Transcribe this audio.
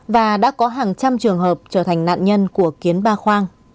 và đã có hàng trăm trường hợp trở thành nạn nhân của kiến ba khoang